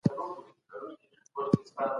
کارګرانو ته د کار اجازه ورکړل سوه.